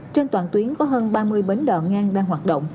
trên toàn tuyến có hơn ba mươi bến đò ngang đang hoạt động